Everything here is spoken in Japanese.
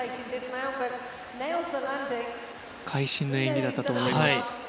会心の演技だったと思います。